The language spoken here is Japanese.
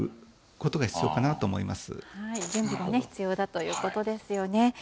準備が必要だということですね。